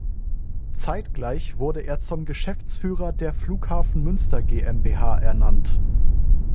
Zeitgleich wurde er zum Geschäftsführer der Flughafen Münster GmbH ernannt.